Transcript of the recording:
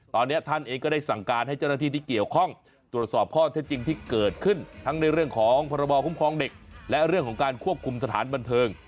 ตอนนี้ท่านเองก็ได้สั่งการให้เจ้าหน้าที่ที่เกี่ยวข้องตรวจสอบข้อเท็จจริงที่เกิดขึ้นทั้งในเรื่องของพรบคุ้มครองเด็กและเรื่องของการควบคุมสถานบันเทิง